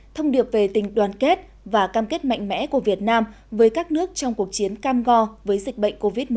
thông điệp về tình đoàn kết và cam kết mạnh mẽ của việt nam với các nước trong cuộc chiến cam go với dịch bệnh covid một mươi chín